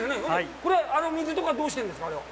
これ、水とかはどうしているんですか。